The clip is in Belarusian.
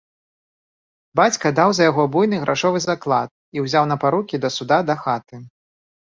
Бацька даў за яго буйны грашовы заклад і ўзяў на парукі да суда дахаты.